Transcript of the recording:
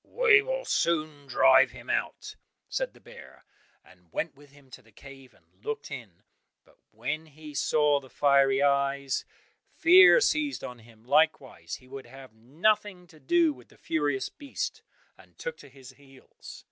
"We will soon drive him out," said the bear, and went with him to the cave and looked in, but when he saw the fiery eyes, fear seized on him likewise; he would have nothing to do with the furious beast, and took to his heels.